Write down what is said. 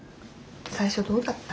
最初どうだった？